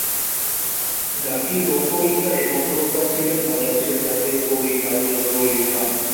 গানটির রচয়িতা এবং সুরকার ছিলেন বাংলাদেশের জাতীয় কবি কাজী নজরুল ইসলাম।